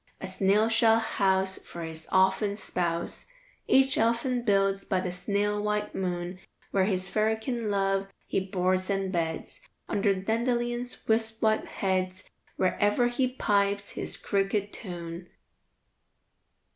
A snail shell house for his ouphen spouse Each elfin builds by the snail white moon, Where his fairykin love he boards and beds, Under the dandelion's wisp white heads, Where ever he pipes his cricket tune."